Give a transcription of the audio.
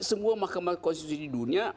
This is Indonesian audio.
semua mahkamah konstitusi di dunia